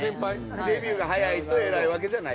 デビューが早いと偉いわけじゃない。